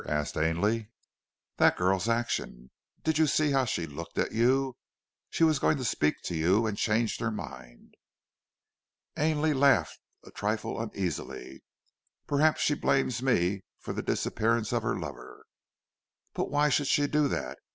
asked Ainley. "That girl's action. Did you see how she looked at you? She was going to speak to you and changed her mind." Ainley laughed a trifle uneasily. "Possibly she blames me for the disappearance of her lover!" "But why should she do that?